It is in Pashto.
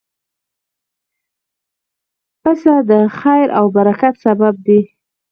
پسه د خیر او برکت سبب دی.